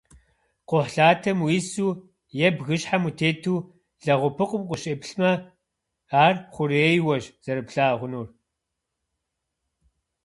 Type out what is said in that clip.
Кхъухьлъатэм уису е бгыщхьэм утету лэгъупыкъум укъыщеплъмэ, ар хъурейуэщ зэрыплъэгъунур.